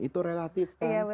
itu relatif kan